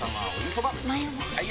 ・はい！